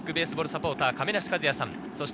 サポーター・亀梨和也さん。